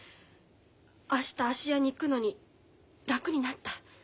明日芦屋に行くのに楽になった。